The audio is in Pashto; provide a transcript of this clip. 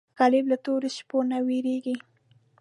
غریب له تورو شپو نه وېرېږي